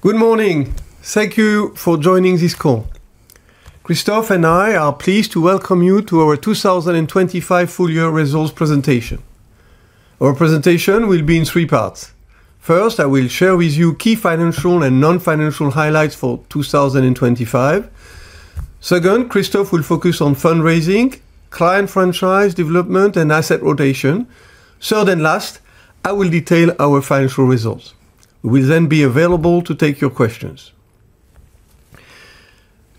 Good morning. Thank you for joining this call. Christophe and I are pleased to welcome you to our 2025 full year results presentation. Our presentation will be in three parts. First, I will share with you key financial and non-financial highlights for 2025. Second, Christophe will focus on fundraising, client franchise development and asset rotation. Third and last, I will detail our financial results. We'll then be available to take your questions.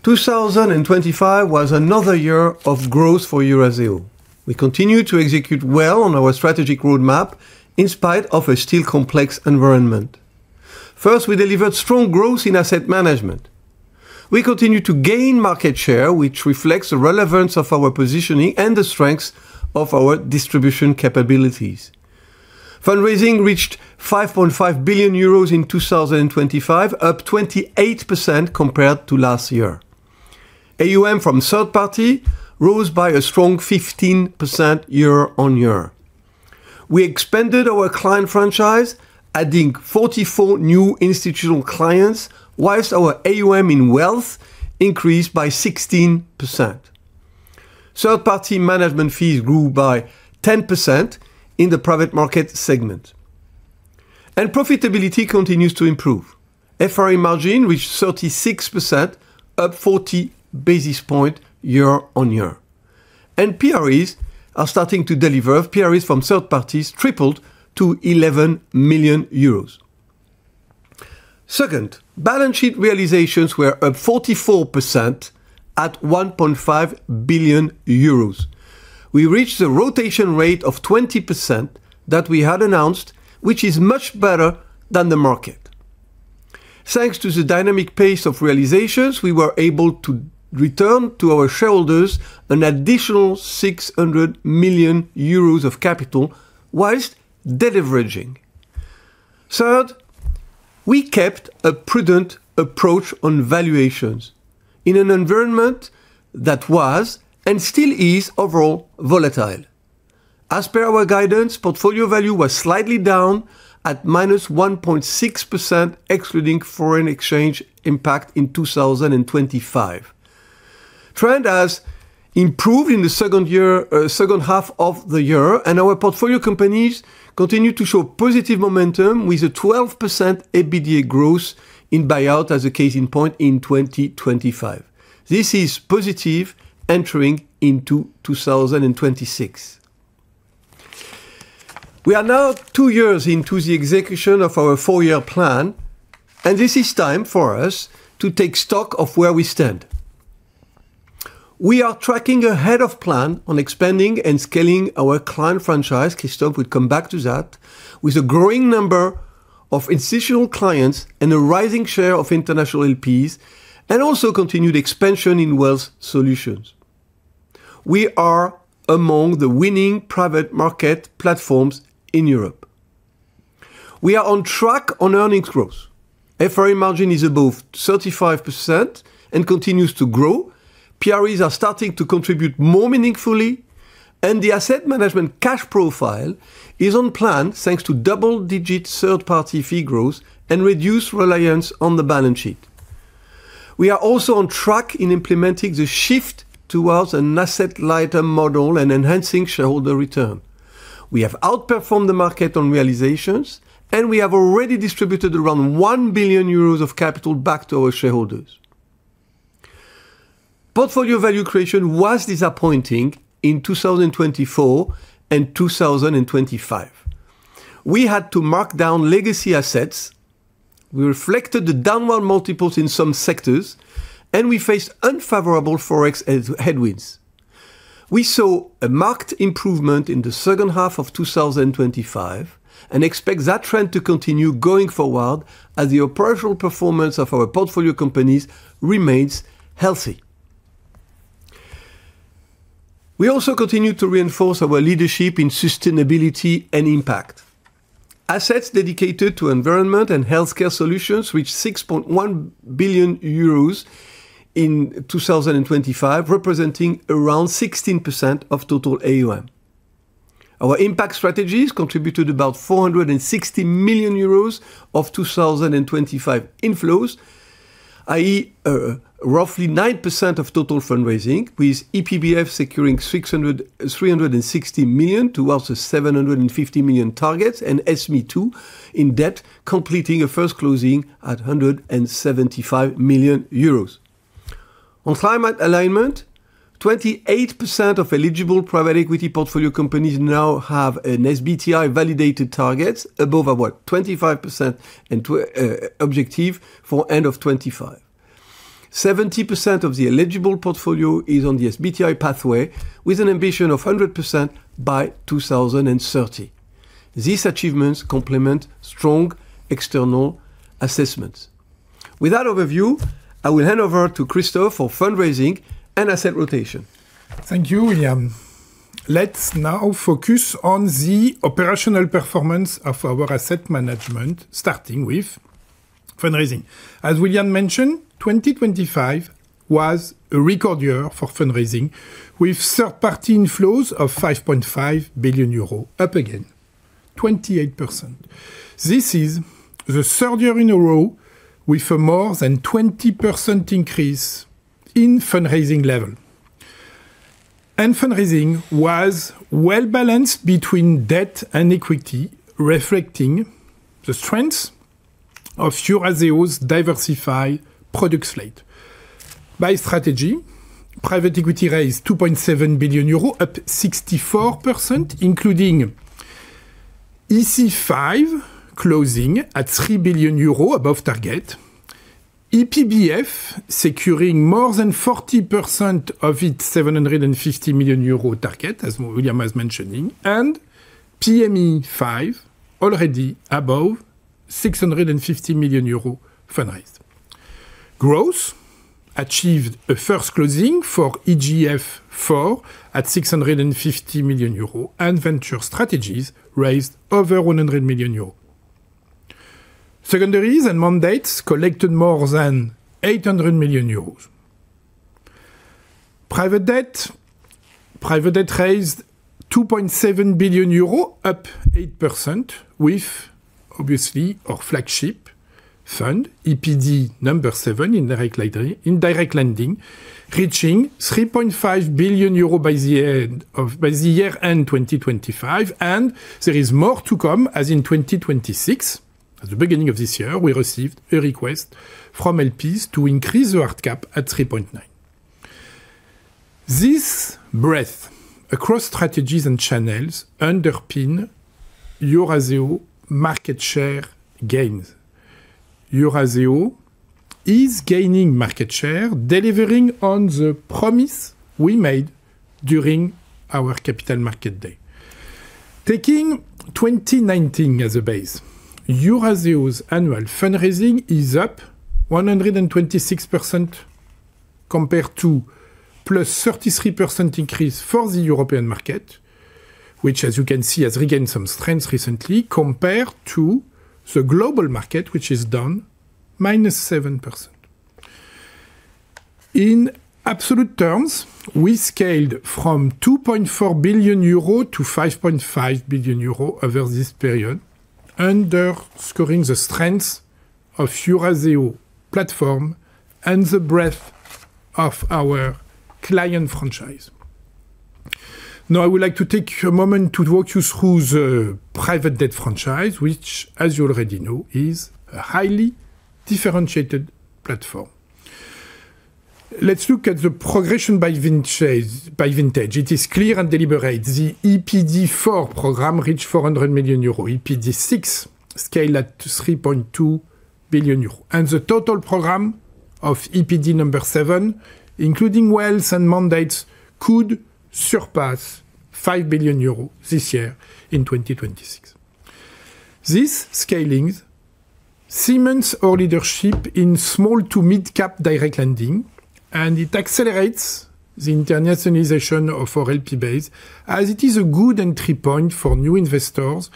2025 was another year of growth for Eurazeo. We continued to execute well on our strategic roadmap in spite of a still complex environment. First, we delivered strong growth in asset management. We continued to gain market share, which reflects the relevance of our positioning and the strengths of our distribution capabilities. Fundraising reached 5.5 billion euros in 2025, up 28% compared to last year. Third-party AUM rose by a strong 15% year-on-year. We expanded our client franchise, adding 44 new institutional clients, whilst our AUM in wealth increased by 16%. Third-party management fees grew by 10% in the private market segment. Profitability continues to improve. FRI margin reached 36%, up 40 basis points year-on-year. PREs are starting to deliver. PREs from third parties tripled to 11 million euros. Second, balance sheet realizations were up 44% at 1.5 billion euros. We reached a rotation rate of 20% that we had announced, which is much better than the market. Thanks to the dynamic pace of realizations, we were able to return to our shareholders an additional 600 million euros of capital while de-leveraging. Third, we kept a prudent approach on valuations in an environment that was and still is overall volatile. As per our guidance, portfolio value was slightly down at -1.6%, excluding foreign exchange impact in 2025. Trend has improved in the second half of the year, and our portfolio companies continue to show positive momentum with a 12% EBITDA growth in buyout as a case in point in 2025. This is positive entering into 2026. We are now two years into the execution of our four-year plan, and this is time for us to take stock of where we stand. We are tracking ahead of plan on expanding and scaling our client franchise. Christophe would come back to that, with a growing number of institutional clients and a rising share of international LPs, and also continued expansion in wealth solutions. We are among the winning private market platforms in Europe. We are on track on earnings growth. FRI margin is above 35% and continues to grow. PREs are starting to contribute more meaningfully. The asset management cash profile is on plan, thanks to double-digit third-party fee growth and reduced reliance on the balance sheet. We are also on track in implementing the shift towards an asset-lighter model and enhancing shareholder return. We have outperformed the market on realizations, and we have already distributed around 1 billion euros of capital back to our shareholders. Portfolio value creation was disappointing in 2024 and 2025. We had to mark down legacy assets. We reflected the downward multiples in some sectors, and we faced unfavorable Forex headwinds. We saw a marked improvement in the second half of 2025 and expect that trend to continue going forward as the operational performance of our portfolio companies remains healthy. We also continue to reinforce our leadership in sustainability and impact. Assets dedicated to environment and healthcare solutions reached 6.1 billion euros in 2025, representing around 16% of total AUM. Our impact strategies contributed about 460 million euros of 2025 inflows, i.e., roughly 9% of total fundraising, with EPBF securing 360 million towards the 750 million targets, and SME II in debt completing a first closing at 175 million euros. On climate alignment, 28% of eligible private equity portfolio companies now have an SBTi validated targets above our 25% objective for end of 2025. 70% of the eligible portfolio is on the SBTi pathway with an ambition of 100% by 2030. These achievements complement strong external assessments. With that overview, I will hand over to Christophe for fundraising and asset rotation. Thank you, William. Let's now focus on the operational performance of our asset management, starting with fundraising. As William mentioned, 2025 was a record year for fundraising with third-party inflows of 5.5 billion euros, up again 28%. This is the third year in a row with a more than 20% increase in fundraising level. Fundraising was well-balanced between debt and equity, reflecting the strengths of Eurazeo's diversified product slate. By strategy, private equity raised 2.7 billion euros, up 64%, including EC V closing at 3 billion euros above target. EPBF securing more than 40% of its 750 million euro target, as William was mentioning, and PME V already above 650 million euro fundraised. Growth achieved a first closing for EGF IV at 650 million euros, and venture strategies raised over 100 million euros. Secondaries and mandates collected more than 800 million euros. Private debt raised 2.7 billion euros, up 8% with, obviously, our flagship fund, EPD VII in direct lending, reaching 3.5 billion euros by the year-end 2025, and there is more to come as in 2026. At the beginning of this year, we received a request from LPs to increase our cap at 3.9 billion. This breadth across strategies and channels underpin Eurazeo market share gains. Eurazeo is gaining market share, delivering on the promise we made during our capital market day. Taking 2019 as a base, Eurazeo's annual fundraising is up 126% compared to +33% increase for the European market, which as you can see, has regained some strength recently compared to the global market, which is down -7%. In absolute terms, we scaled from 2.4 billion-5.5 billion euro over this period, underscoring the strength of Eurazeo platform and the breadth of our client franchise. Now, I would like to take a moment to walk you through the private debt franchise, which as you already know, is a highly differentiated platform. Let's look at the progression by vintage. It is clear and deliberate. The EPD IV program reached 400 million euros. EPD VI scaled at 3.2 billion euros. The total program of EPD VII, including wells and mandates, could surpass 5 billion euros this year in 2026. This scaling cements our leadership in small to midcap direct lending, and it accelerates the internationalization of our LP base as it is a good entry point for new investors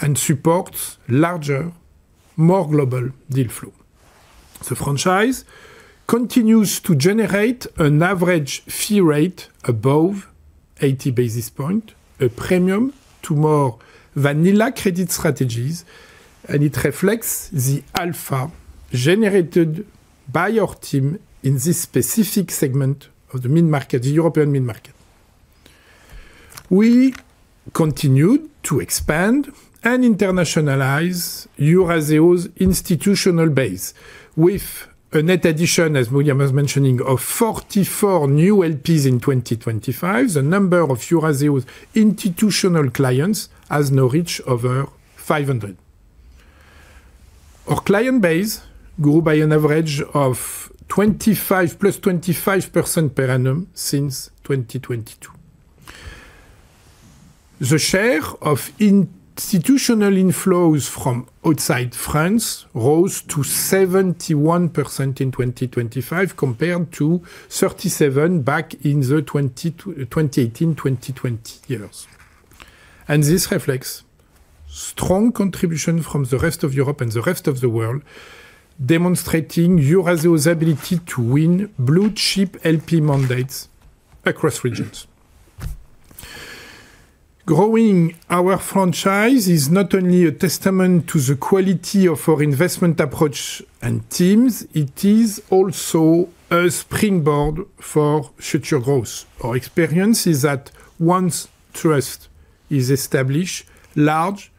and supports larger, more global deal flow. The franchise continues to generate an average fee rate above 80 basis points, a premium to more vanilla credit strategies, and it reflects the alpha generated by our team in this specific segment of the mid-market, the European mid-market. We continued to expand and internationalize Eurazeo's institutional base with a net addition, as William was mentioning, of 44 new LPs in 2025. The number of Eurazeo's institutional clients has now reached over 500. Our client base grew by an average of 25%, +25% per annum since 2022. The share of institutional inflows from outside France rose to 71% in 2025 compared to 37 back in the 2018, 2020 years. This reflects strong contribution from the rest of Europe and the rest of the world, demonstrating Eurazeo's ability to win blue-chip LP mandates across regions. Growing our franchise is not only a testament to the quality of our investment approach and teams, it is also a springboard for future growth. Our experience is that once trust is established, large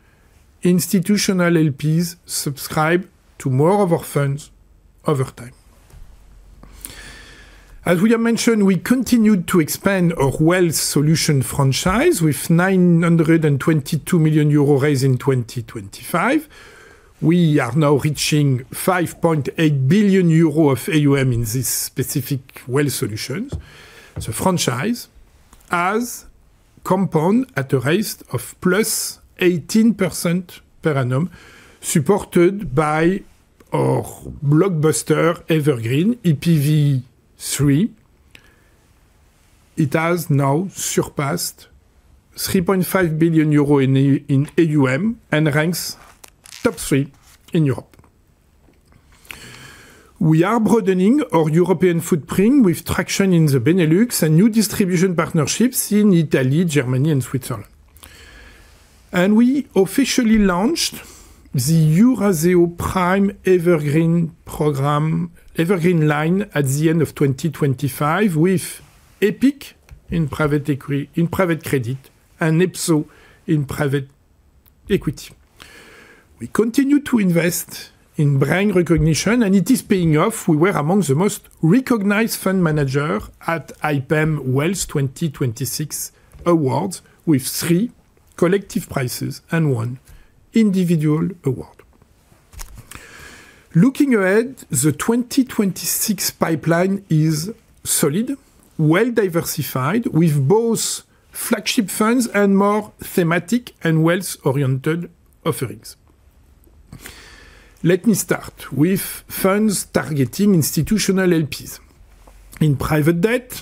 institutional LPs subscribe to more of our funds over time. As we have mentioned, we continued to expand our wealth solution franchise with 922 million euro raised in 2025. We are now reaching 5.8 billion euro of AUM in this specific wealth solutions. The franchise has compounded at a rate of +18% per annum, supported by our blockbuster evergreen, EPVE 3. It has now surpassed 3.5 billion euros in AUM and ranks top three in Europe. We are broadening our European footprint with traction in the Benelux and new distribution partnerships in Italy, Germany, and Switzerland. We officially launched the Eurazeo Prime Evergreen program, Evergreen line at the end of 2025 with EPIC in private credit and EPSO in private equity. We continue to invest in brand recognition, and it is paying off. We were among the most recognized fund manager at IPEM Wealth 2026 awards, with three collective prizes and one individual award. Looking ahead, the 2026 pipeline is solid, well-diversified with both flagship funds and more thematic and wealth-oriented offerings. Let me start with funds targeting institutional LPs. In private debt,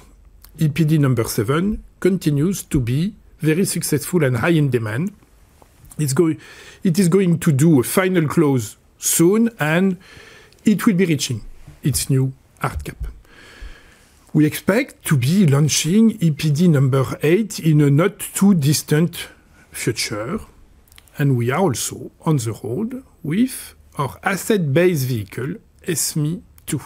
EPD VII continues to be very successful and high in demand. It is going to do a final close soon, and it will be reaching its new hard cap. We expect to be launching EPD VIII in a not-too-distant future, and we are also on the road with our asset-based vehicle, SME II.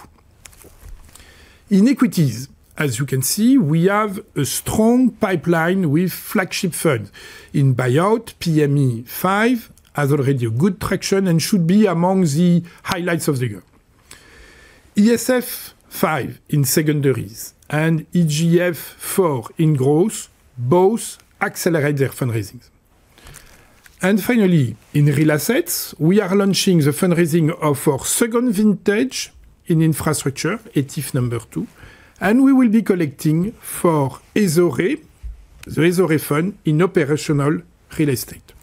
In equities, as you can see, we have a strong pipeline with flagship funds. In buyout, PME V has already a good traction and should be among the highlights of the year. ESF V in secondaries and EGF IV in growth both accelerate their fundraisings. Finally, in real assets, we are launching the fundraising of our second vintage in infrastructure, ETIF II, and we will be collecting for EZORE, the EZORE fund in operational real estate.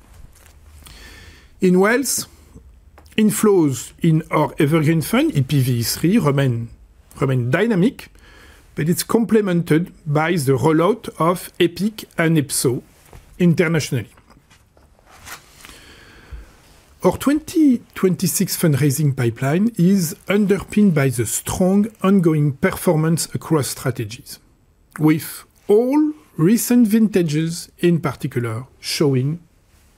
In wealth, inflows in our evergreen fund, EPVE 3, remain dynamic, but it's complemented by the rollout of EPIC and EPSO internationally. Our 2026 fundraising pipeline is underpinned by the strong ongoing performance across strategies, with all recent vintages in particular showing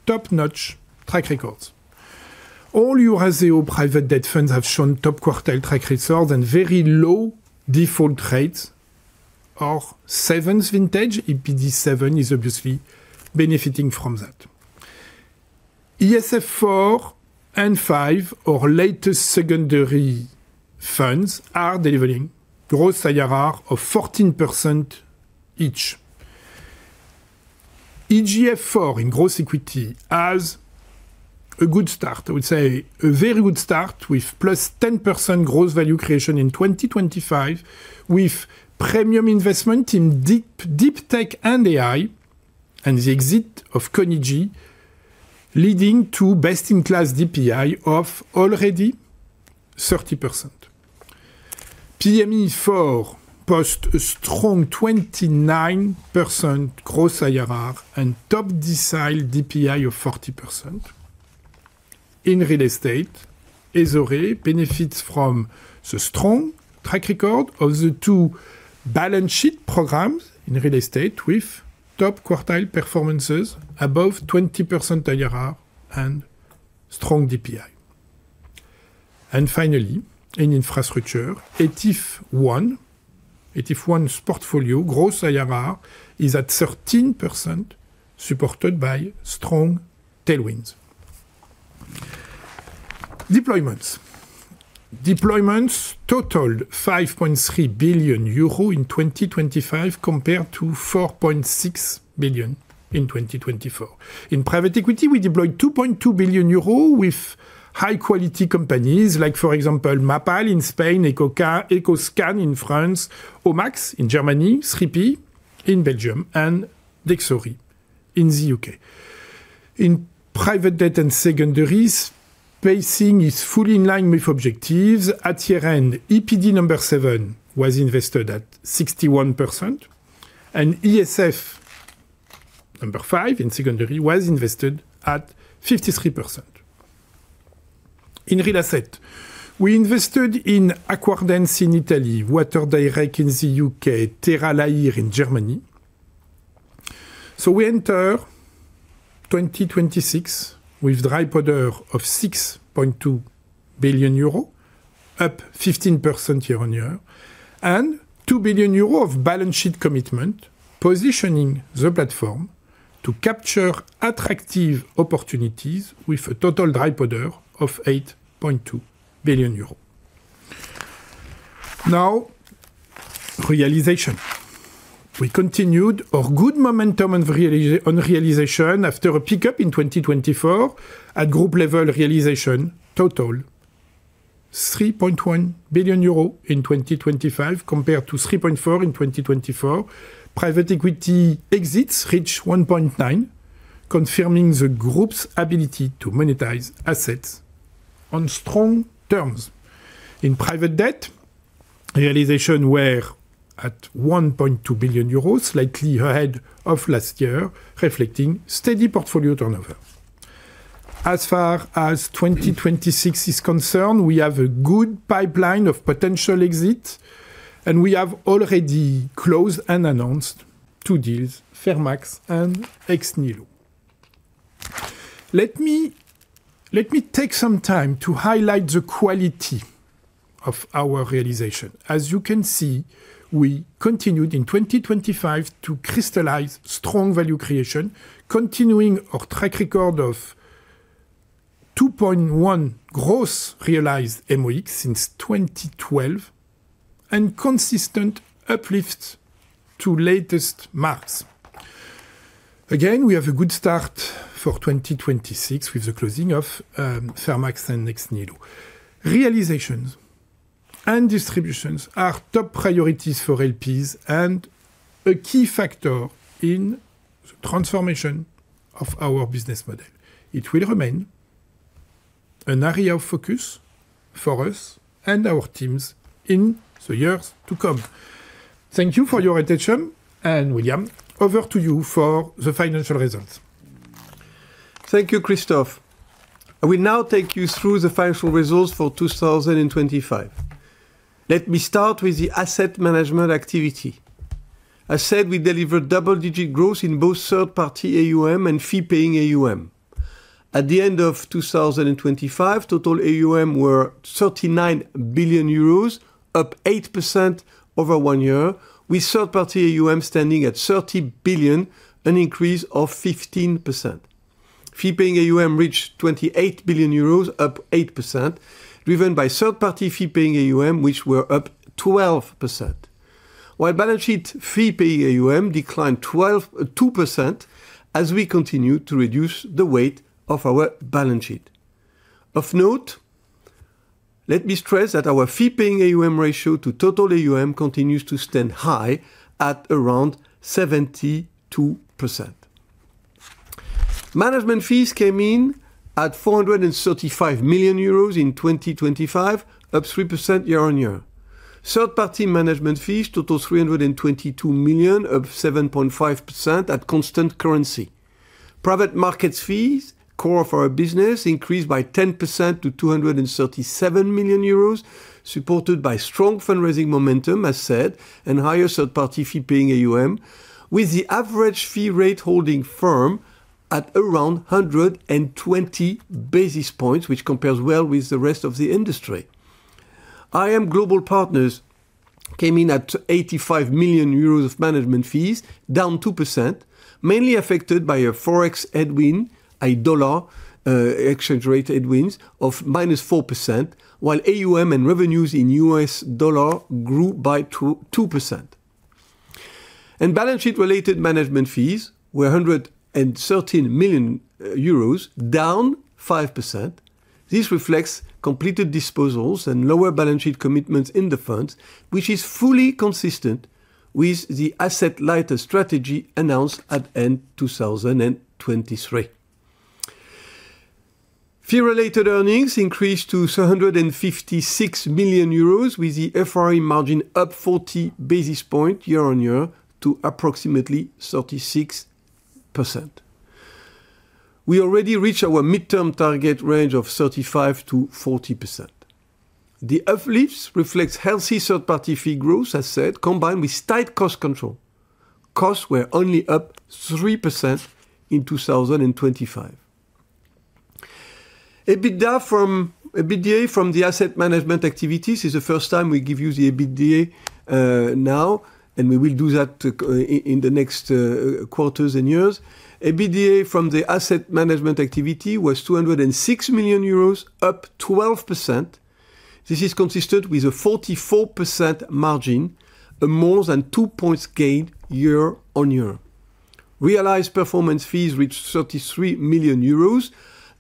top-notch track records. All Eurazeo private debt funds have shown top-quartile track records and very low default rates. Our seventh vintage, EPD VII, is obviously benefiting from that. ESF IV and V, our latest secondary funds, are delivering gross IRR of 14% each. EGF IV in Growth Equity has a good start. I would say a very good start with +10% gross value creation in 2025, with premium investment in deep, deep tech and AI and the exit of Cognigy leading to best-in-class DPI of already 30%. PME IV posts a strong 29% gross IRR and top-decile DPI of 40%. In real estate, EZORE benefits from the strong track record of the two balance sheet programs in real estate with top-quartile performances above 20% IRR and strong DPI. Finally, in infrastructure, ETIF I portfolio gross IRR is at 13%, supported by strong tailwinds. Deployments totaled 5.3 billion euro in 2025 compared to 4.6 billion in 2024. In private equity, we deployed 2.2 billion euro with high-quality companies like, for example, MAPAL in Spain, Ekoscan in France, OMMAX in Germany, Scripi in Belgium, and Dexory in the U.K.. In private debt and secondaries, pacing is fully in line with objectives. At year-end, EPD VII was invested at 61%, and ESF V in secondaries was invested at 53%. In real asset, we invested in Aquardens in Italy, Water Direct in the U.K., Terra Hely in Germany. We enter 2026 with dry powder of 6.2 billion euro, up 15% year-over-year, and 2 billion euro of balance sheet commitment, positioning the platform to capture attractive opportunities with a total dry powder of 8.2 billion euros. Now, realization. We continued our good momentum on realization after a pickup in 2024. At group level, realizations totaled 3.1 billion euros in 2025 compared to 3.4 billion in 2024. Private equity exits reached 1.9 billion, confirming the group's ability to monetize assets on strong terms. In private debt, realizations were at 1.2 billion euros, slightly ahead of last year, reflecting steady portfolio turnover. As far as 2026 is concerned, we have a good pipeline of potential exits, and we have already closed and announced two deals, Fairmax and Ex Nihilo. Let me take some time to highlight the quality of our realizations. As you can see, we continued in 2025 to crystallize strong value creation, continuing our track record of 2.1 gross realized MOIC since 2012, and consistent uplift to latest marks. Again, we have a good start for 2026 with the closing of Fairmax and Ex Nihilo. Realizations and distributions are top priorities for LPs and a key factor in the transformation of our business model. It will remain an area of focus for us and our teams in the years to come. Thank you for your attention. William, over to you for the financial results. Thank you, Christophe. I will now take you through the financial results for 2025. Let me start with the asset management activity. I said we delivered double-digit growth in both third-party AUM and fee-paying AUM. At the end of 2025, total AUM were 39 billion euros, up 8% over one year, with third-party AUM standing at 30 billion, an increase of 15%. Fee-paying AUM reached 28 billion euros, up 8%, driven by third-party fee-paying AUM which were up 12%, while balance sheet fee-paying AUM declined 2% as we continue to reduce the weight of our balance sheet. Of note, let me stress that our fee-paying AUM ratio to total AUM continues to stand high at around 72%. Management fees came in at 435 million euros in 2025, up 3% year-on-year. Third-party management fees total 322 million, up 7.5% at constant currency. Private markets fees, core of our business, increased by 10% to 237 million euros, supported by strong fundraising momentum as said, and higher third-party fee-paying AUM, with the average fee rate holding firm at around 120 basis points, which compares well with the rest of the industry. iM Global Partner came in at 85 million euros of management fees, down 2%, mainly affected by a Forex headwind, a dollar exchange rate headwinds of -4%, while AUM and revenues in US dollar grew by 2%. Balance sheet-related management fees were 113 million euros, down 5%. This reflects completed disposals and lower balance sheet commitments in the funds, which is fully consistent with the asset-lighter strategy announced at end 2023. Fee-related earnings increased to 356 million euros, with the FRI margin up 40 basis points year-on-year to approximately 36%. We already reached our midterm target range of 35%-40%. The uplifts reflects healthy third-party fee growth, as said, combined with tight cost control. Costs were only up 3% in 2025. EBITDA from the asset management activities is the first time we give you the EBITDA, now, and we will do that in the next quarters and years. EBITDA from the asset management activity was 206 million euros, up 12%. This is consistent with a 44% margin, a more than two points gain year-on-year. Realized performance fees reached 33 million euros,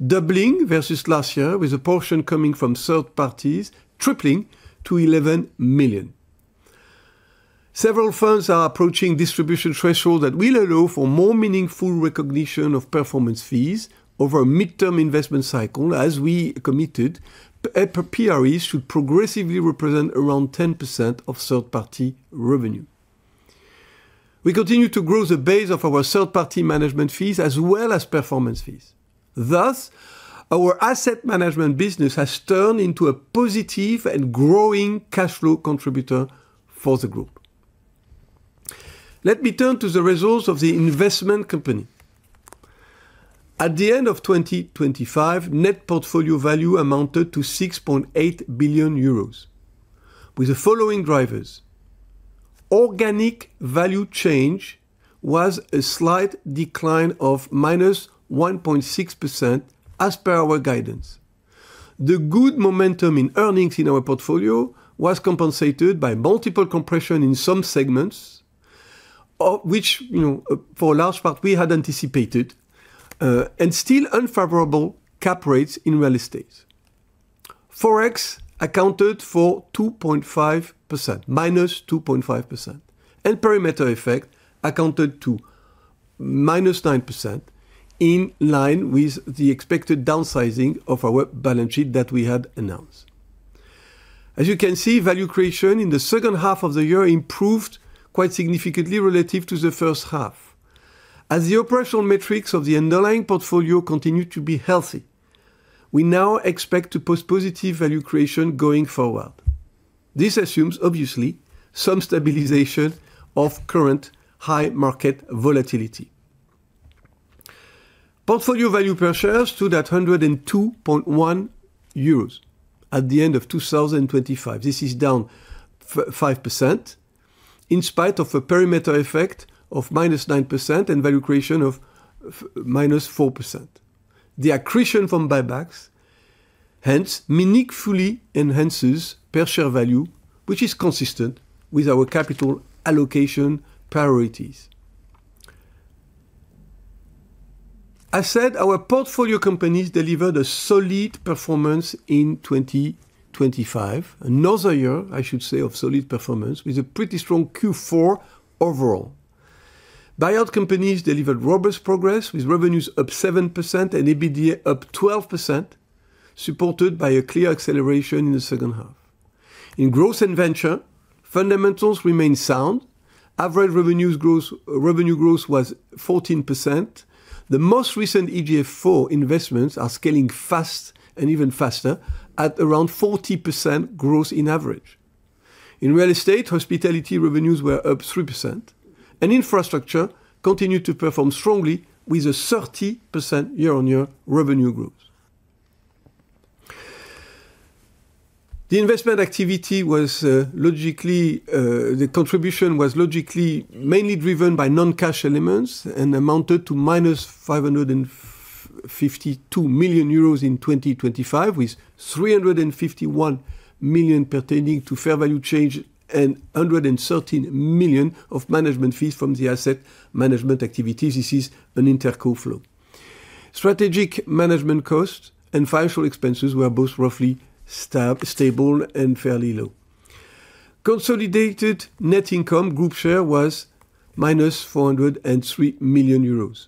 doubling versus last year, with a portion coming from third parties tripling to 11 million. Several firms are approaching distribution threshold that will allow for more meaningful recognition of performance fees over a midterm investment cycle, as we committed. PREs should progressively represent around 10% of third-party revenue. We continue to grow the base of our third-party management fees as well as performance fees. Thus, our asset management business has turned into a positive and growing cash flow contributor for the group. Let me turn to the results of the investment company. At the end of 2025, net portfolio value amounted to 6.8 billion euros with the following drivers. Organic value change was a slight decline of -1.6%, as per our guidance. The good momentum in earnings in our portfolio was compensated by multiple compression in some segments, which, you know, for a large part we had anticipated, and still unfavorable cap rates in real estate. Forex accounted for -2.5%, and perimeter effect accounted for -9% in line with the expected downsizing of our balance sheet that we had announced. As you can see, value creation in the second half of the year improved quite significantly relative to the first half. As the operational metrics of the underlying portfolio continue to be healthy, we now expect to post positive value creation going forward. This assumes obviously some stabilization of current high market volatility. Portfolio value per share stood at 102.1 euros at the end of 2025. This is down 5% in spite of a perimeter effect of -9% and value creation of -4%. The accretion from buybacks hence meaningfully enhances per share value, which is consistent with our capital allocation priorities. Our portfolio companies delivered a solid performance in 2025. Another year, I should say, of solid performance with a pretty strong Q4 overall. Buyout companies delivered robust progress, with revenues up 7% and EBITDA up 12%, supported by a clear acceleration in the second half. In growth and venture, fundamentals remain sound. Average revenue growth was 14%. The most recent EGF IV investments are scaling fast and even faster at around 40% growth on average. In real estate, hospitality revenues were up 3%, and infrastructure continued to perform strongly with a 30% year-on-year revenue growth. The investment activity was logically the contribution was logically mainly driven by non-cash elements and amounted to -552 million euros in 2025, with 351 million pertaining to fair value change and 113 million of management fees from the asset management activity. This is an interco flow. Strategic management costs and financial expenses were both roughly stable and fairly low. Consolidated net income group share was -403 million euros.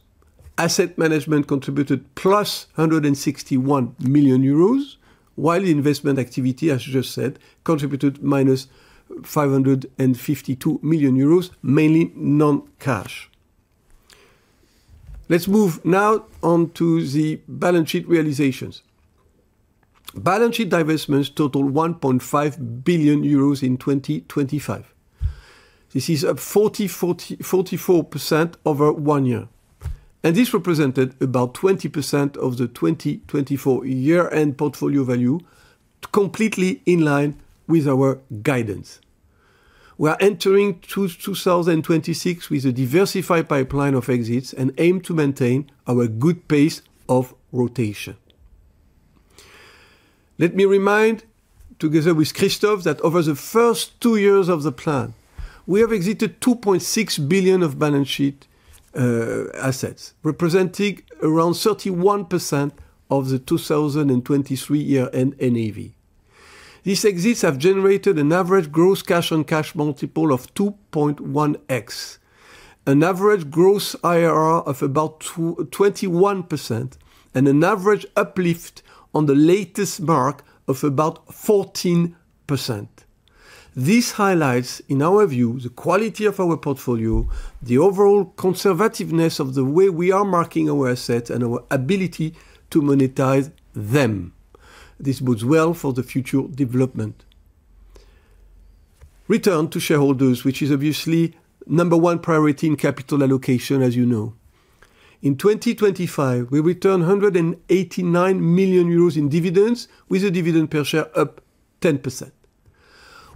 Asset management contributed +161 million euros, while investment activity, as you just said, contributed -552 million euros, mainly non-cash. Let's move now on to the balance sheet realizations. Balance sheet divestments totaled 1.5 billion euros in 2025. This is up 44% over one year, and this represented about 20% of the 2024 year-end portfolio value, completely in line with our guidance. We are entering 2026 with a diversified pipeline of exits and aim to maintain our good pace of rotation. Let me remind, together with Christophe, that over the first two years of the plan, we have exited 2.6 billion of balance sheet assets, representing around 31% of the 2023 year-end NAV. These exits have generated an average gross cash-on-cash multiple of 2.1x, an average gross IRR of about 21%, and an average uplift on the latest mark of about 14%. This highlights, in our view, the quality of our portfolio, the overall conservativeness of the way we are marking our assets, and our ability to monetize them. This bodes well for the future development. Return to shareholders, which is obviously number one priority in capital allocation, as you know. In 2025, we returned 189 million euros in dividends, with a dividend per share up 10%.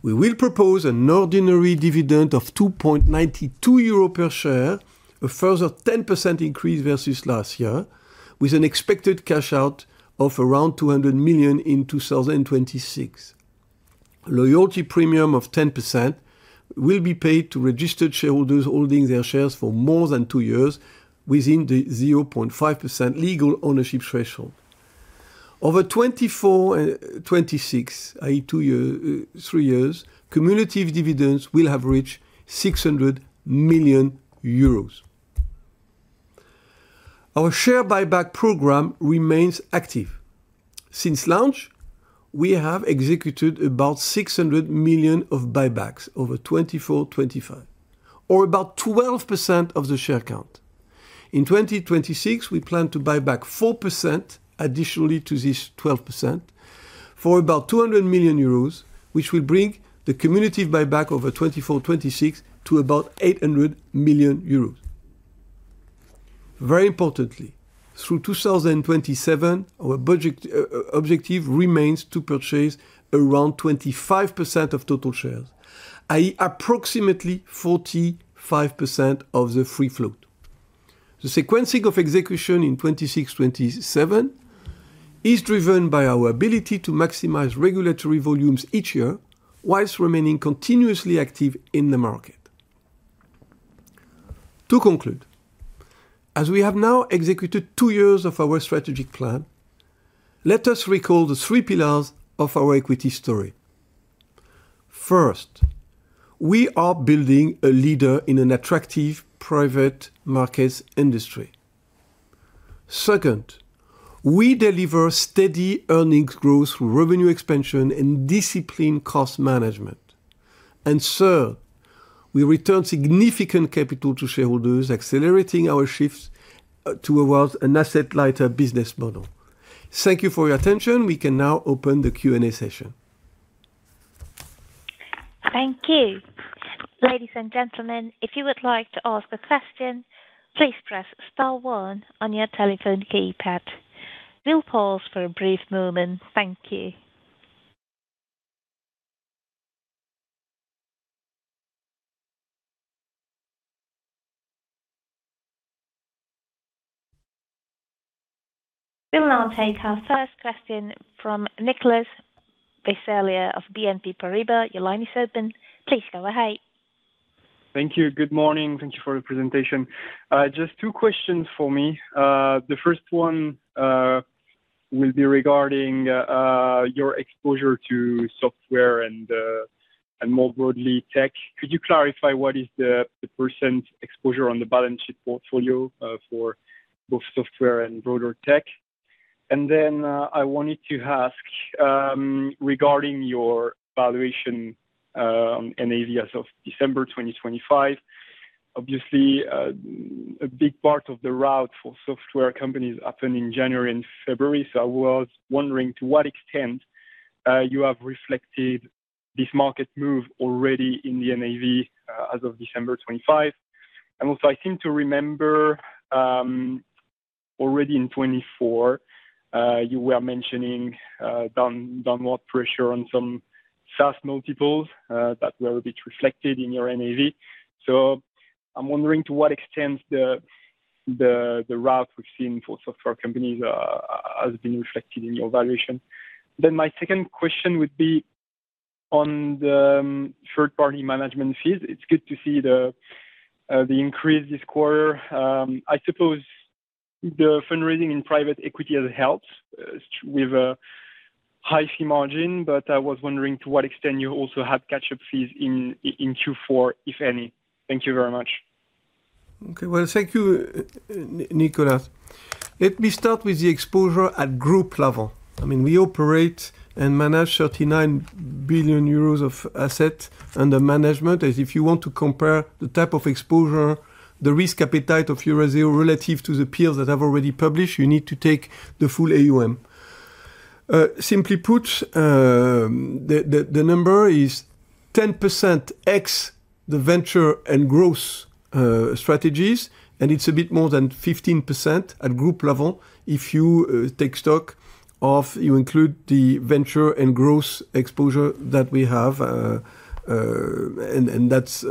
We will propose an ordinary dividend of 2.92 euros per share, a further 10% increase versus last year, with an expected cash-out of around 200 million in 2026. Loyalty premium of 10% will be paid to registered shareholders holding their shares for more than two years within the 0.5% legal ownership threshold. Over 2024-2026, i.e., two- to three-year, cumulative dividends will have reached 600 million euros. Our share buyback program remains active. Since launch, we have executed about 600 million of buybacks over 2024-2025, or about 12% of the share count. In 2026, we plan to buy back 4% additionally to this 12% for about 200 million euros, which will bring the cumulative buyback over 2024-2026 to about 800 million euros. Very importantly, through 2027, our budget objective remains to purchase around 25% of total shares, i.e., approximately 45% of the free float. The sequencing of execution in 2026-2027 is driven by our ability to maximize regulatory volumes each year while remaining continuously active in the market. To conclude, as we have now executed two years of our strategic plan, let us recall the three pillars of our equity story. First, we are building a leader in an attractive private markets industry. Second, we deliver steady earnings growth through revenue expansion and disciplined cost management. Third, we return significant capital to shareholders, accelerating our shifts towards an asset lighter business model. Thank you for your attention. We can now open the Q&A session. Thank you. Ladies and gentlemen, if you would like to ask a question, please press star one on your telephone keypad. We'll pause for a brief moment. Thank you. We will now take our first question from Nicolas Vaysselier of BNP Paribas. Your line is open. Please go ahead. Thank you. Good morning. Thank you for the presentation. Just two questions for me. The first one will be regarding your exposure to software and more broadly tech. Could you clarify what is the percent exposure on the balance sheet portfolio for both software and broader tech? I wanted to ask regarding your valuation NAV as of December 2025. Obviously a big part of the rout for software companies happened in January and February. I was wondering to what extent you have reflected this market move already in the NAV as of December 2025. I seem to remember already in 2024 you were mentioning downward pressure on some SaaS multiples that were a bit reflected in your NAV. I'm wondering to what extent the rout we've seen for software companies has been reflected in your valuation. My second question would be on third-party management fees. It's good to see the increase this quarter. I suppose the fundraising in private equity has helped with a high fee margin, but I was wondering to what extent you also have catch-up fees in Q4, if any. Thank you very much. Well, thank you, Nicolas. Let me start with the exposure at group level. I mean, we operate and manage 39 billion euros of assets under management. If you want to compare the type of exposure, the risk appetite of Eurazeo relative to the peers that I've already published, you need to take the full AUM. Simply put, the number is 10% ex the venture and growth strategies, and it's a bit more than 15% at group level if you include the venture and growth exposure that we have. That's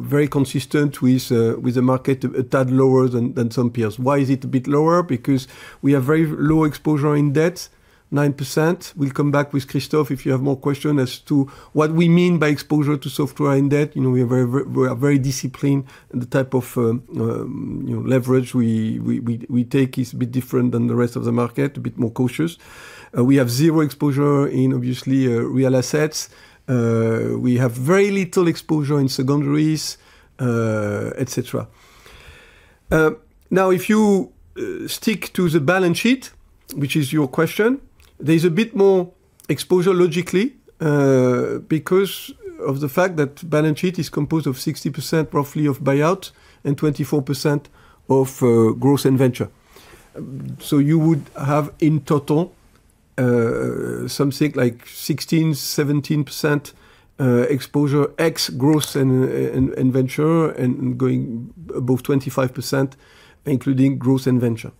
very consistent with the market, a tad lower than some peers. Why is it a bit lower? Because we have very low exposure in debt, 9%. We'll come back with Christophe if you have more question as to what we mean by exposure to software and debt. You know, we are very disciplined, and the type of, you know, leverage we take is a bit different than the rest of the market, a bit more cautious. We have zero exposure, obviously, in real assets. We have very little exposure in secondaries, etc. Now, if you stick to the balance sheet, which is your question, there's a bit more exposure logically because of the fact that balance sheet is composed of 60% roughly of buyout and 24% of growth and venture. You would have in total something like 16%-17% exposure, ex growth and venture, and going above 25%, including growth and venture.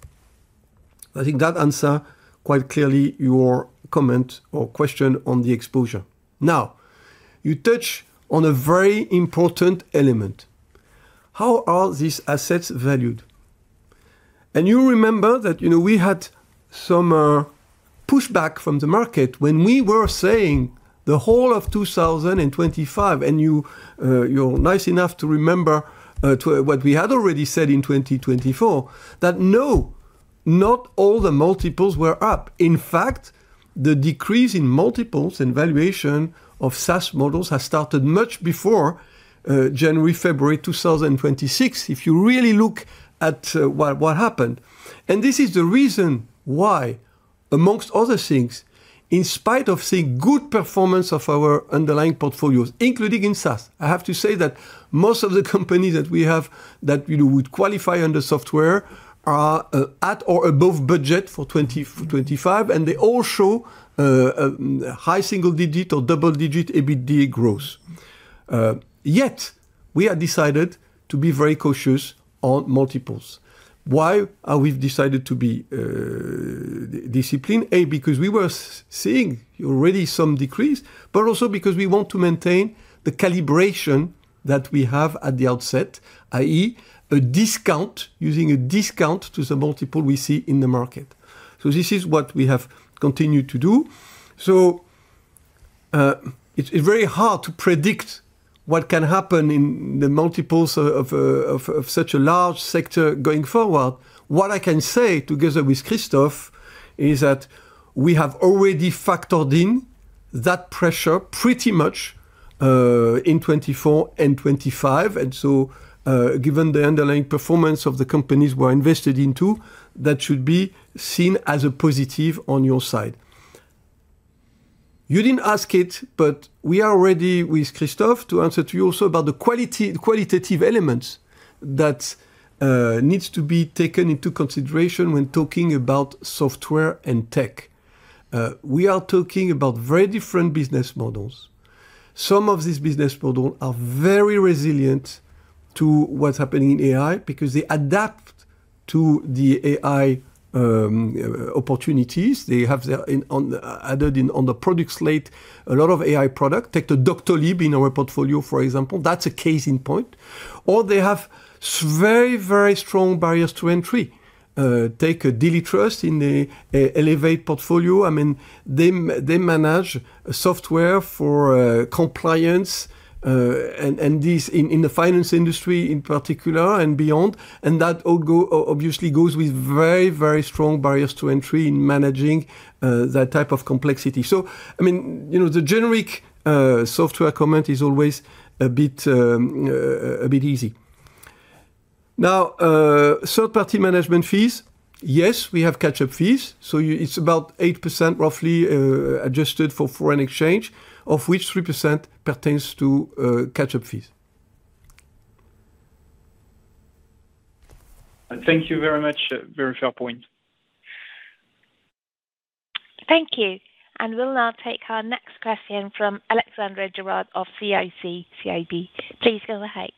I think that answer quite clearly your comment or question on the exposure. Now, you touch on a very important element. How are these assets valued? You remember that, you know, we had some pushback from the market when we were saying the whole of 2025, and you're nice enough to remember what we had already said in 2024, that no, not all the multiples were up. In fact, the decrease in multiples and valuation of SaaS models has started much before January, February 2026. If you really look at what happened. This is the reason why, among other things, in spite of seeing good performance of our underlying portfolios, including in SaaS, I have to say that most of the companies that we have that, you know, would qualify under software are at or above budget for 2025, and they all show high single digit or double-digit EBITDA growth. Yet we have decided to be very cautious on multiples. Why are we decided to be disciplined? A, because we were seeing already some decrease, but also because we want to maintain the calibration that we have at the outset, i.e., a discount, using a discount to the multiple we see in the market. This is what we have continued to do. It's very hard to predict what can happen in the multiples of such a large sector going forward. What I can say together with Christophe is that we have already factored in that pressure pretty much in 2024 and 2025. Given the underlying performance of the companies we're invested into, that should be seen as a positive on your side. You didn't ask it, but we are ready with Christophe to answer to you also about the qualitative elements that needs to be taken into consideration when talking about software and tech. We are talking about very different business models. Some of these business model are very resilient to what's happening in AI because they adapt to the AI opportunities. They have added to the product slate a lot of AI product. Take the Doctolib in our portfolio, for example. That's a case in point. Or they have very, very strong barriers to entry. Take NeoXam in the Elevate portfolio. I mean, they manage software for compliance and this in the finance industry in particular and beyond. That all obviously goes with very strong barriers to entry in managing that type of complexity. I mean, you know, the generic software comment is always a bit easy. Now, third-party management fees. Yes, we have catch-up fees. You it's about 8% roughly, adjusted for foreign exchange, of which 3% pertains to catch-up fees. Thank you very much. Very fair point. Thank you. We'll now take our next question from Alexandre Girard of CIC-CIB. Please go ahead.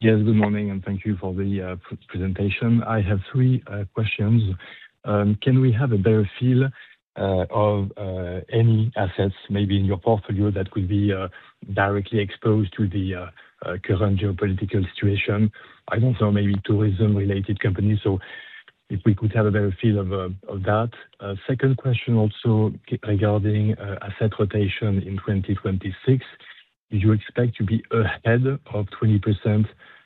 Yes, good morning, and thank you for the pre-presentation. I have three questions. Can we have a better feel of any assets maybe in your portfolio that could be directly exposed to the current geopolitical situation? I don't know, maybe tourism-related companies. If we could have a better feel of that. Second question also regarding asset rotation in 2026. Do you expect to be ahead of 20%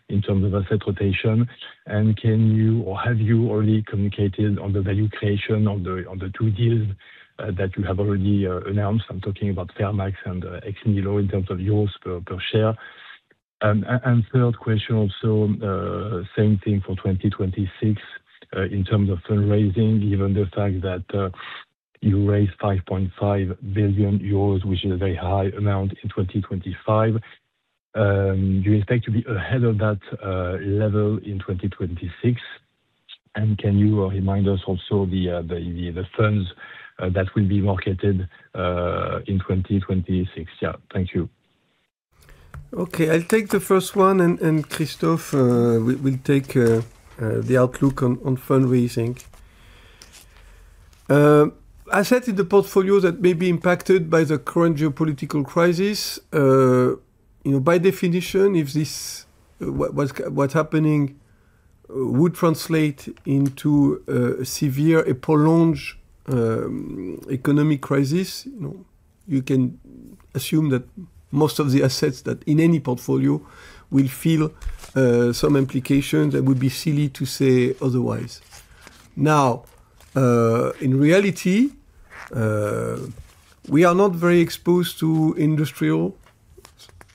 in terms of asset rotation? And can you or have you already communicated on the value creation on the two deals that you have already announced? I'm talking about Fairmax and Ex Nihilo in terms of EUR per share. Third question also, same thing for 2026, in terms of fundraising, given the fact that you raised 5.5 billion euros, which is a very high amount in 2025. Do you expect to be ahead of that level in 2026? And can you remind us also the funds that will be marketed in 2026? Yeah. Thank you. Okay. I'll take the first one, and Christophe will take the outlook on fundraising. Assets in the portfolio that may be impacted by the current geopolitical crisis, you know, by definition, if what's happening would translate into a severe, prolonged economic crisis, you know, you can assume that most of the assets that are in any portfolio will feel some implications. It would be silly to say otherwise. Now, in reality, we are not very exposed to industrials,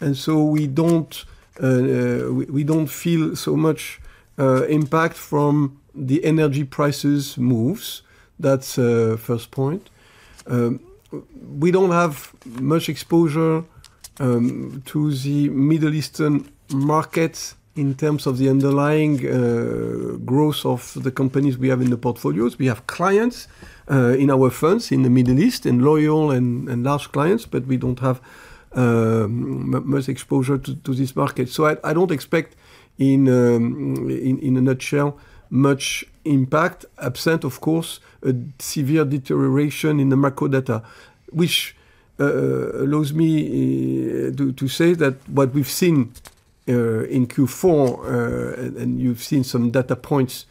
and so we don't feel so much impact from the energy price moves. That's first point. We don't have much exposure to the Middle Eastern market in terms of the underlying growth of the companies we have in the portfolios. We have clients in our funds in the Middle East and loyal and large clients, but we don't have much exposure to this market. I don't expect in a nutshell much impact, absent of course a severe deterioration in the macro data, which allows me to say that what we've seen in Q4 and you've seen some data points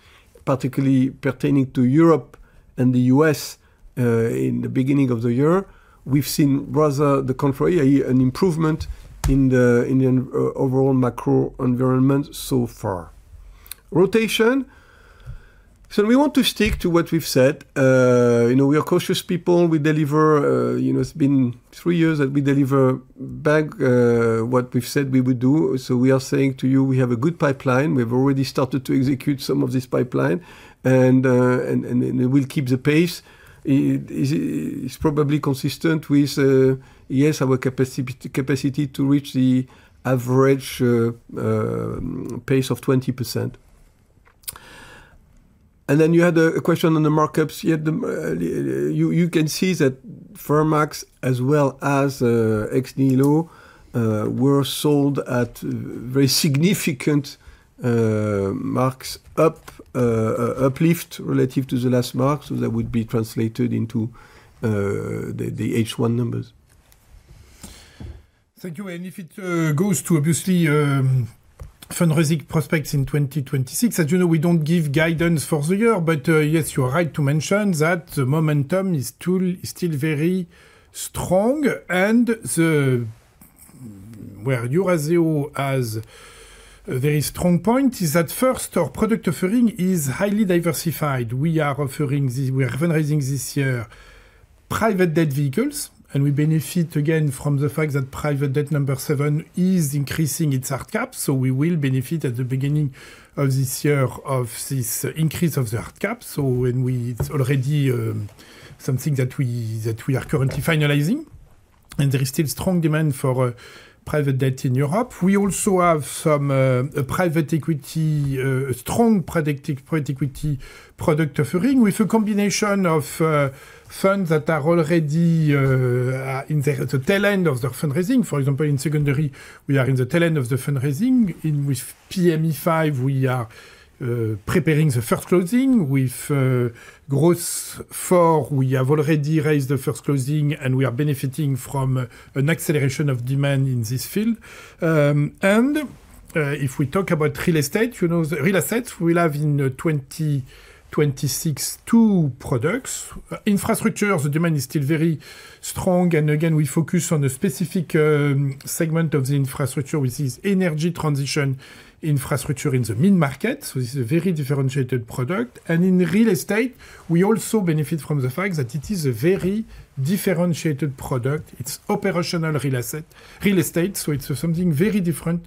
particularly pertaining to Europe and the U.S. in the beginning of the year. We've seen rather the contrary, an improvement in the overall macro environment so far. Rotation. We want to stick to what we've said. You know, we are cautious people. We deliver, you know, it's been three years that we deliver back what we've said we would do. We are saying to you we have a good pipeline. We've already started to execute some of this pipeline and we'll keep the pace. It's probably consistent with our capacity to reach the average pace of 20%. Then you had a question on the markups. You can see that Fairmax as well as Ex Nihilo were sold at very significant mark-ups uplift relative to the last mark. That would be translated into the H1 numbers. Thank you. If it goes to obviously. Fundraising prospects in 2026. As you know, we don't give guidance for the year. Yes, you are right to mention that the momentum is still very strong. Where Eurazeo has a very strong point is that first, our product offering is highly diversified. We are fundraising this year private debt vehicles, and we benefit again from the fact that private debt number seven is increasing its hard cap. We will benefit at the beginning of this year of this increase of the hard cap. It's already something that we are currently finalizing. There is still strong demand for private debt in Europe. We also have a strong private equity product offering with a combination of funds that are already in the tail end of their fundraising. For example, in secondary, we are in the tail end of the fundraising. With PME V, we are preparing the first closing. With Growth IV, we have already raised the first closing, and we are benefiting from an acceleration of demand in this field. If we talk about real estate, you know, the real assets we'll have in 2026 two products. Infrastructure, the demand is still very strong. Again, we focus on the specific segment of the infrastructure, which is energy transition infrastructure in the mid-market. So it's a very differentiated product. In real estate, we also benefit from the fact that it is a very differentiated product. It's operational real estate, so it's something very different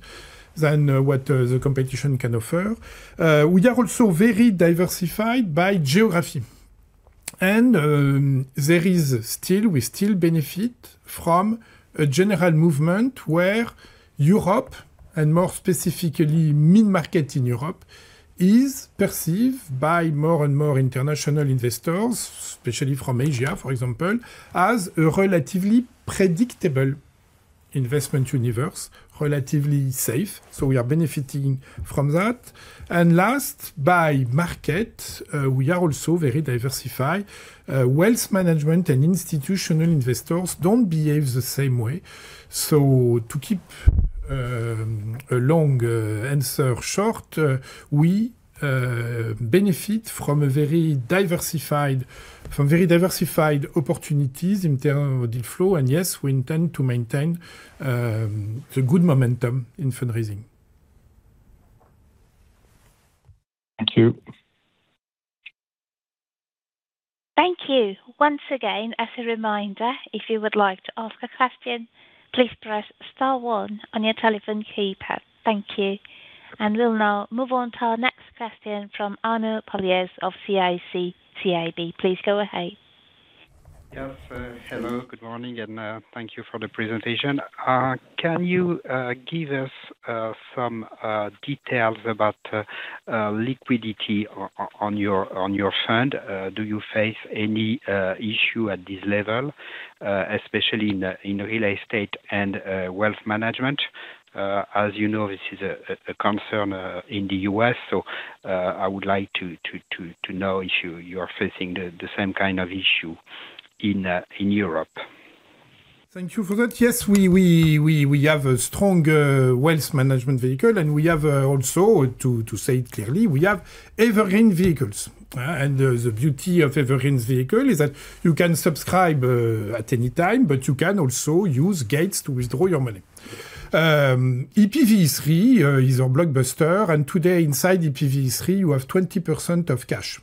than what the competition can offer. We are also very diversified by geography. We still benefit from a general movement where Europe, and more specifically mid-market in Europe, is perceived by more and more international investors, especially from Asia, for example, as a relatively predictable investment universe, relatively safe. We are benefiting from that. Last, by market, we are also very diversified. Wealth management and institutional investors don't behave the same way. To keep a long answer short, we benefit from very diversified opportunities in terms of the flow. Yes, we intend to maintain the good momentum in fundraising. Thank you. Once again, as a reminder, if you would like to ask a question, please press star one on your telephone keypad. Thank you. We'll now move on to our next question from Arnaud Palliez of CIC-CIB. Please go ahead. Yes. Hello, good morning, and thank you for the presentation. Can you give us some details about liquidity on your fund? Do you face any issue at this level, especially in real estate and wealth management? As you know, this is a concern in the U.S., so I would like to know if you are facing the same kind of issue in Europe. Thank you for that. Yes, we have a strong wealth management vehicle, and we have also to say it clearly, we have evergreen vehicles. The beauty of evergreen vehicles is that you can subscribe at any time, but you can also use gates to withdraw your money. EPVE 3 is our blockbuster, and today inside EPVE 3 you have 20% of cash.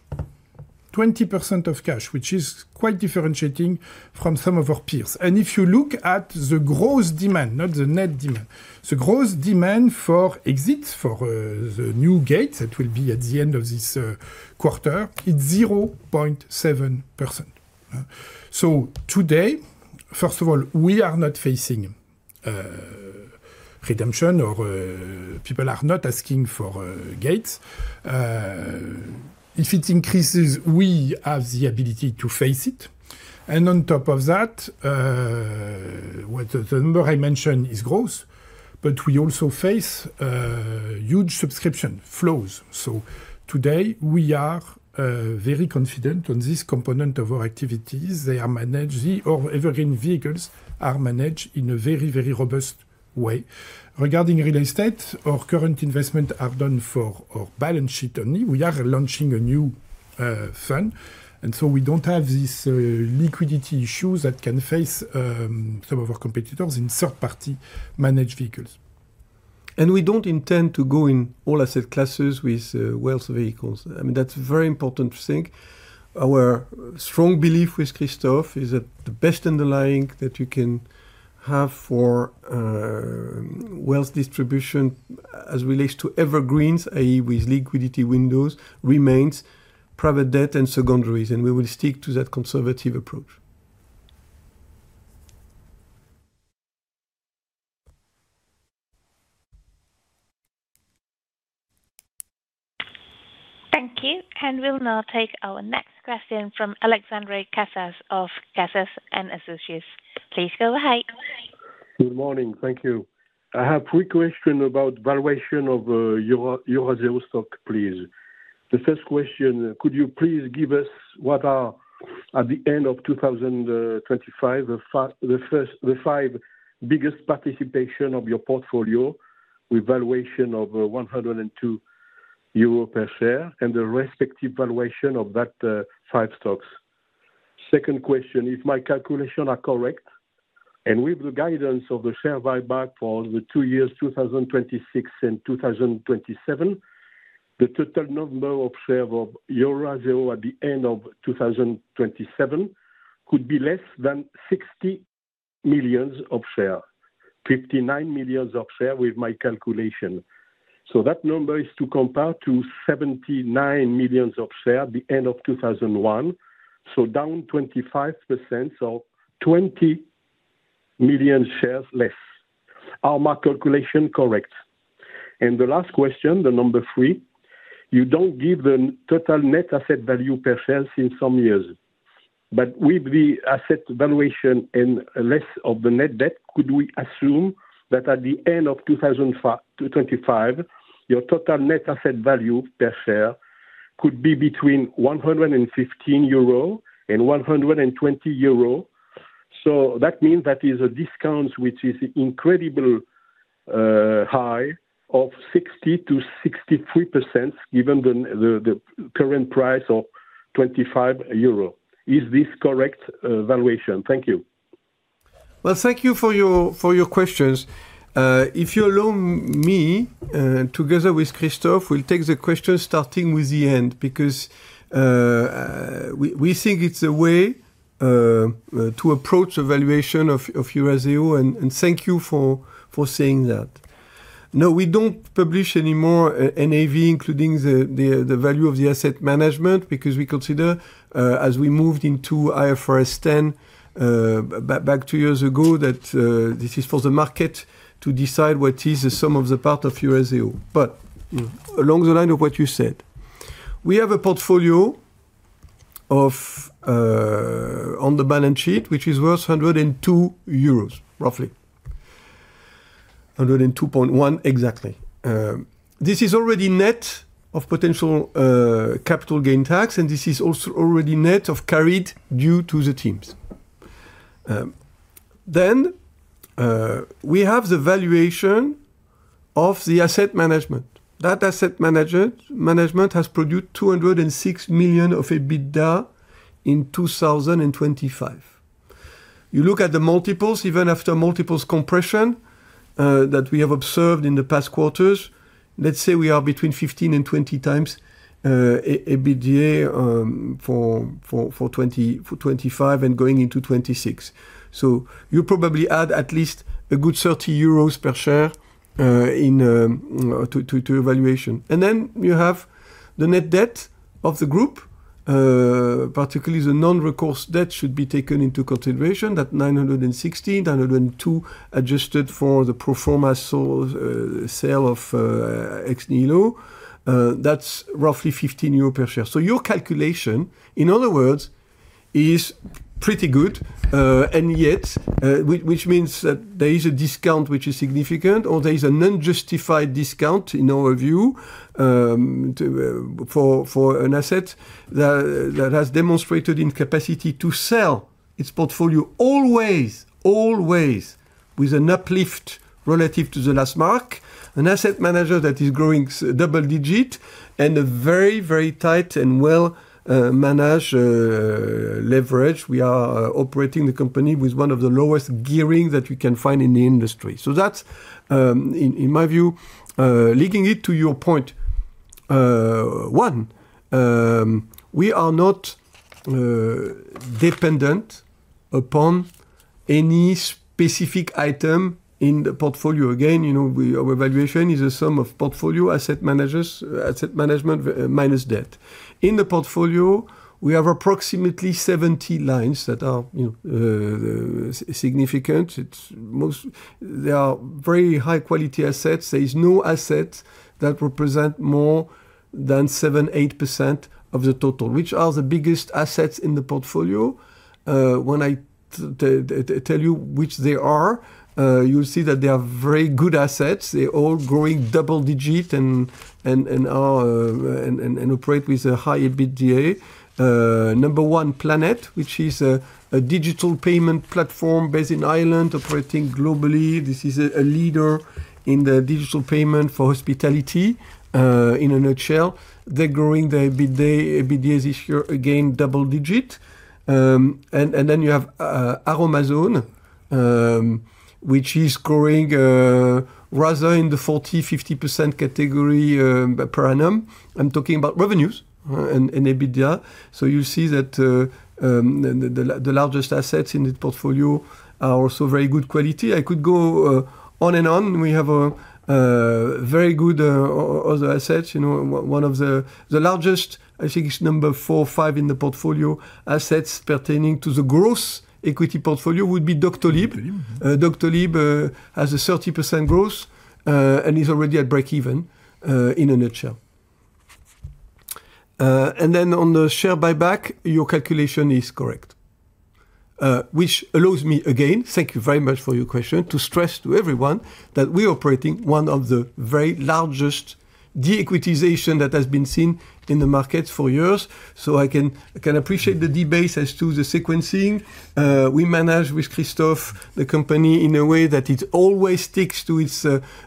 20% of cash, which is quite differentiating from some of our peers. If you look at the gross demand, not the net demand, the gross demand for exits for the new gates that will be at the end of this quarter, it's 0.7%. Today, first of all, we are not facing redemption or people are not asking for gates. If it increases, we have the ability to face it. On top of that, the number I mentioned is gross, but we also face huge subscription flows. Today we are very confident on this component of our activities. All evergreen vehicles are managed in a very, very robust way. Regarding real estate, our current investments are done for our balance sheet only. We are launching a new fund, and so we don't have this liquidity issues that can face some of our competitors in third-party managed vehicles. We don't intend to go in all asset classes with wealth vehicles. I mean, that's a very important thing. Our strong belief with Christophe is that the best underlying that you can have for wealth distribution as relates to evergreens, i.e., with liquidity windows, remains private debt and secondaries, and we will stick to that conservative approach. Thank you. We'll now take our next question from Alexandre Casas of Casas & Associés. Please go ahead. Good morning. Thank you. I have three questions about valuation of Eurazeo stock, please. The first question, could you please give us what are at the end of 2025, the five biggest participations of your portfolio with valuation of 102 euro per share and the respective valuation of that five stocks. Second question, if my calculations are correct, and with the guidance of the share buyback for the years 2026 and 2027, the total number of shares of Eurazeo at the end of 2027 could be less than 60 million shares. 59 million shares with my calculation. That number is to compare to 79 million shares at the end of 2021. Down 25%, so 20 million shares less. Are my calculations correct? The last question, the number three, you don't give the total net asset value per share since some years. But with the asset valuation and less of the net debt, could we assume that at the end of 2025, your total net asset value per share could be between 115 euro and 120 euro. So that means that is a discount which is incredibly high of 60%-63%, given the current price of 25 euro. Is this correct valuation? Thank you. Well, thank you for your questions. If you allow me, together with Christophe, we'll take the question starting with the end, because we think it's a way to approach the valuation of Eurazeo, and thank you for saying that. No, we don't publish anymore a NAV, including the value of the asset management, because we consider, as we moved into IFRS 10 back two years ago, that this is for the market to decide what is the sum of the parts of Eurazeo. Along the line of what you said, we have a portfolio on the balance sheet, which is worth 102 euros, roughly. 102.1 exactly. This is already net of potential capital gain tax, and this is also already net of carried due to the teams. We have the valuation of the asset management. That asset management has produced 206 million of EBITDA in 2025. You look at the multiples, even after multiples compression that we have observed in the past quarters. Let's say we are between 15x-20x EBITDA for 2025 and going into 2026. You probably add at least a good 30 euros per share in to evaluation. You have the net debt of the group, particularly the non-recourse debt should be taken into consideration. 916,902, adjusted for the pro forma sale of Ex Nihilo, that's roughly 15 euros per share. Your calculation, in other words, is pretty good. Yet, which means that there is a discount which is significant or there is an unjustified discount, in our view, to the asset that has demonstrated its capacity to sell its portfolio, always with an uplift relative to the last mark. An asset manager that is growing double-digit and a very tight and well managed leverage. We are operating the company with one of the lowest gearing that you can find in the industry. That's, in my view, linking it to your point, one, we are not dependent upon any specific item in the portfolio. Again, you know, our valuation is a sum of portfolio asset managers, asset management, minus debt. In the portfolio, we have approximately 70 lines that are, you know, significant. They are very high-quality assets. There is no asset that represent more than 7%-8% of the total. Which are the biggest assets in the portfolio? When I tell you which they are, you'll see that they are very good assets. They're all growing double-digit and operate with a high EBITDA. Number one, Planet, which is a digital payment platform based in Ireland, operating globally. This is a leader in the digital payment for hospitality, in a nutshell. They're growing their EBITDA this year, again, double-digit. You have Aroma-Zone, which is growing rather in the 40-50% category per annum. I'm talking about revenues and EBITDA. You see that the largest assets in the portfolio are also very good quality. I could go on and on. We have very good other assets. You know, one of the largest, I think it's number four or five in the portfolio, assets pertaining to the growth equity portfolio would be Doctolib. Doctolib has a 30% growth and is already at breakeven in a nutshell. On the share buyback, your calculation is correct. Which allows me again, thank you very much for your question, to stress to everyone that we're operating one of the very largest de-equitizations that has been seen in the market for years. I can appreciate the debate as to the sequencing. We manage with Christophe the company in a way that it always sticks to its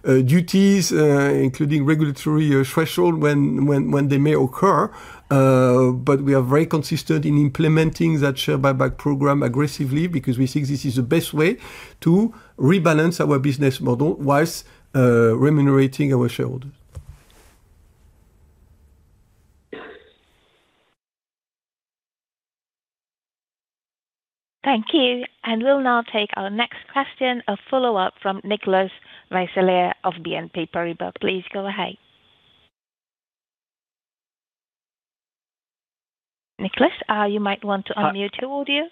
duties, including regulatory threshold when they may occur. We are very consistent in implementing that share buyback program aggressively because we think this is the best way to rebalance our business model while remunerating our shareholders. Thank you. We'll now take our next question, a follow-up from Nicolas Vaysselier of BNP Paribas. Please go ahead. Nicolas, you might want to unmute your audio.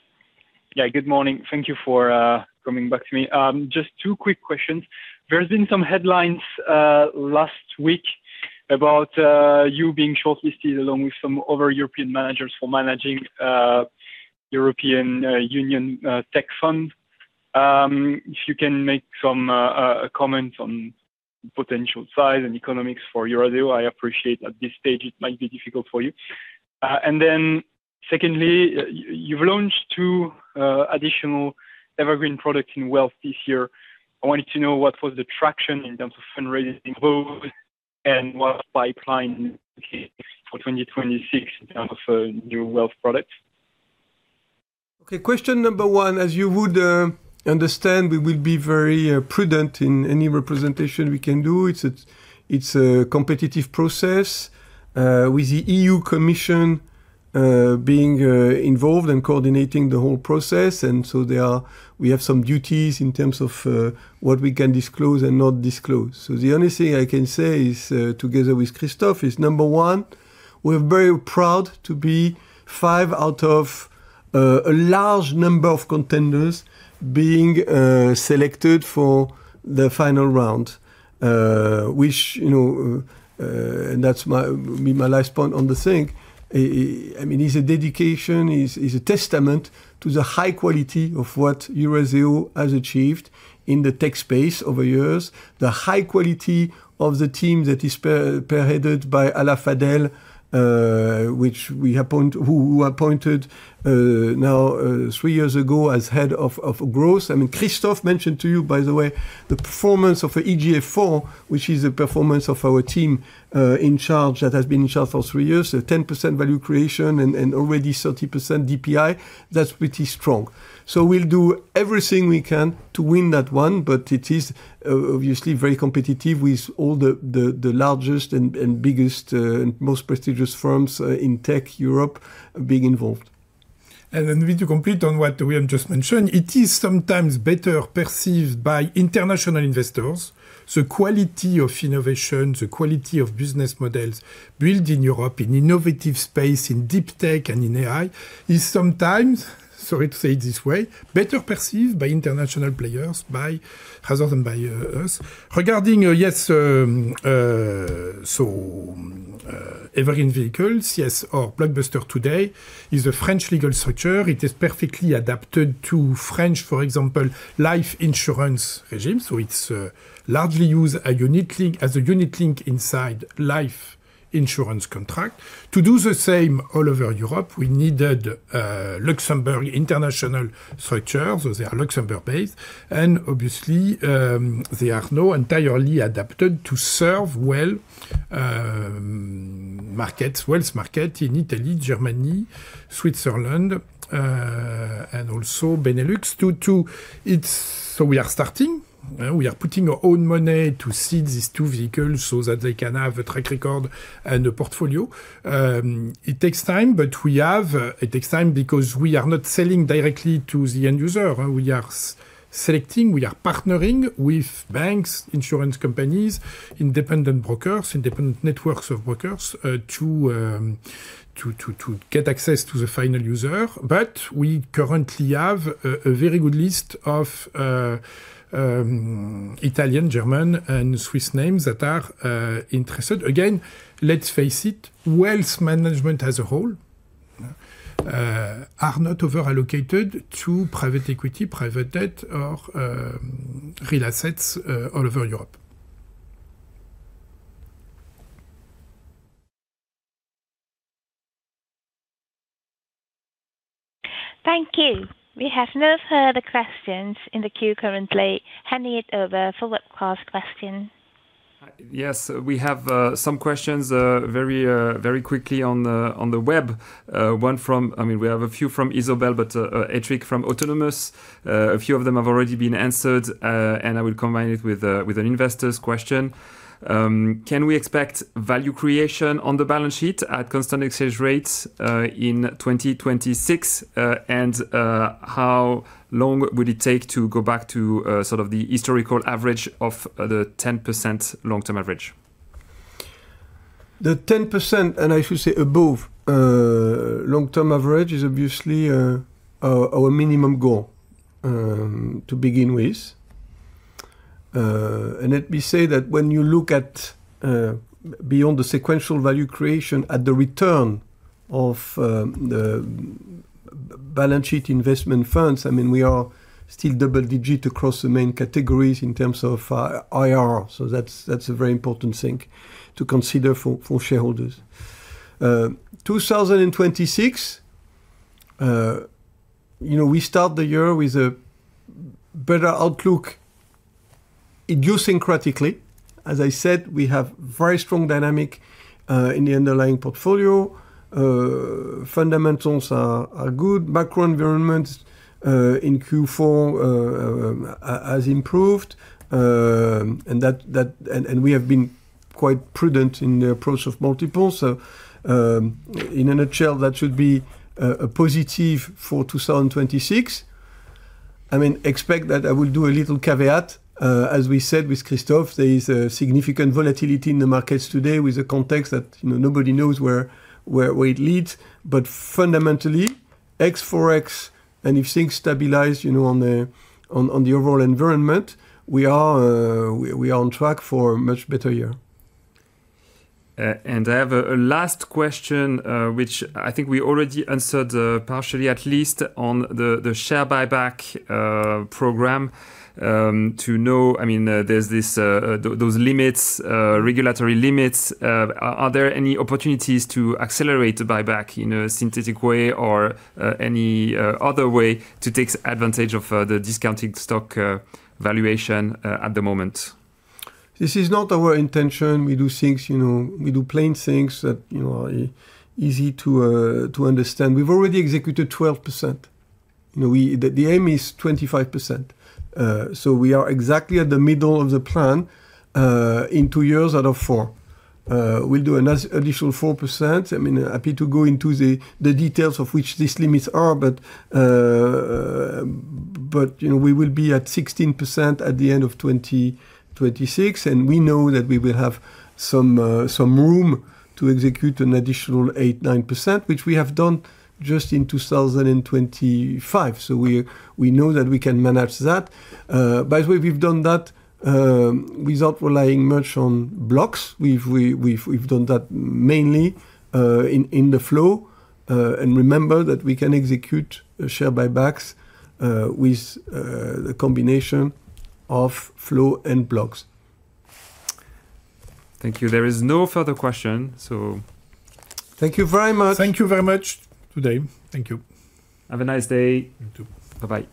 Yeah, good morning. Thank you for coming back to me. Just two quick questions. There's been some headlines last week about you being shortlisted along with some other European managers for managing EU Tech Champions Initiative. If you can make some comment on potential size and economics for Eurazeo, I appreciate at this stage it might be difficult for you. Secondly, you've launched two additional evergreen products in wealth this year. I wanted to know what was the traction in terms of fundraising growth and what pipeline for 2026 in terms of new wealth products. Question number one, as you would understand, we will be very prudent in any representation we can do. It's a competitive process with the European Commission being involved in coordinating the whole process. We have some duties in terms of what we can disclose and not disclose. The only thing I can say is, together with Christophe, number one, we're very proud to be five out of a large number of contenders being selected for the final round. Which, you know, and that's my last point on the thing. I mean, it's a dedication, is a testament to the high quality of what Eurazeo has achieved in the tech space over years. The high quality of the team that is headed by Hala Fadel, which we appointed now three years ago as head of growth. I mean, Christophe mentioned to you, by the way, the performance of EGF IV, which is the performance of our team in charge that has been in charge for three years, a 10% value creation and already 30% DPI. That's pretty strong. We'll do everything we can to win that one, but it is obviously very competitive with all the largest and biggest most prestigious firms in tech Europe being involved. To complete on what William just mentioned, it is sometimes better perceived by international investors. The quality of innovation, the quality of business models built in Europe in innovative space, in deep tech and in AI, is sometimes, sorry to say it this way, better perceived by international players, rather than by us. Regarding evergreen vehicles, yes, our FPCI today is a French legal structure. It is perfectly adapted to French, for example, life insurance regime. It's largely used as a unit-linked inside life insurance contract. To do the same all over Europe, we needed Luxembourg international structure, so they are Luxembourg-based, and obviously, they are now entirely adapted to serve well markets, wealth market in Italy, Germany, Switzerland, and also Benelux. We are starting. We are putting our own money to seed these two vehicles so that they can have a track record and a portfolio. It takes time because we are not selling directly to the end user. We are selecting, we are partnering with banks, insurance companies, independent brokers, independent networks of brokers, to get access to the final user. We currently have a very good list of Italian, German, and Swiss names that are interested. Again, let's face it, wealth management as a whole are not over-allocated to private equity, private debt or real assets all over Europe. Thank you. We have no further questions in the queue currently. Handing it over for webcast question. Yes. We have some questions very quickly on the web. I mean, we have a few from Isobel Hettrick from Autonomous. A few of them have already been answered, and I will combine it with an investor's question. Can we expect value creation on the balance sheet at constant exchange rates in 2026? How long would it take to go back to sort of the historical average of the 10% long-term average? The 10%, and I should say above, long-term average is obviously our minimum goal to begin with. Let me say that when you look at beyond the sequential value creation at the return of the balance sheet investment funds. I mean, we are still double-digit across the main categories in terms of IRR. That's a very important thing to consider for shareholders. 2026, we start the year with a better outlook idiosyncratically. As I said, we have very strong dynamics in the underlying portfolio. Fundamentals are good. Macro environment in Q4 has improved. We have been quite prudent in the approach of multiples. In a nutshell, that should be a positive for 2026. I mean, except that I will do a little caveat. As we said with Christophe, there is a significant volatility in the markets today with the context that nobody knows where it leads. Fundamentally, ex Forex, and if things stabilize on the overall environment, we are on track for a much better year. I have a last question, which I think we already answered partially, at least on the share buyback program. To know, I mean, there's these regulatory limits. Are there any opportunities to accelerate the buyback in a synthetic way or any other way to take advantage of the discounted stock valuation at the moment? This is not our intention. We do things, you know, we do plain things that, you know, are easy to understand. We've already executed 12%. You know, the aim is 25%. We are exactly at the middle of the plan in two years out of four. We'll do an additional 4%. I mean, happy to go into the details of what these limits are, but you know, we will be at 16% at the end of 2026, and we know that we will have some room to execute an additional 8%-9%, which we have done just in 2025. We know that we can manage that. By the way, we've done that without relying much on blocks. We've done that mainly in the flow. Remember that we can execute share buybacks with the combination of flow and blocks. Thank you. There is no further question. Thank you very much. Thank you very much today. Thank you. Have a nice day. You too. Bye-bye.